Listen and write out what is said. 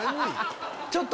ちょっと。